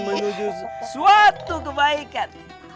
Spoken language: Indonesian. menuju suatu kebaikan